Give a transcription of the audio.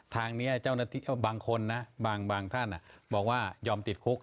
ทางนี้เจ้าหน้าที่บางคนนะบางท่านบอกว่ายอมติดคุก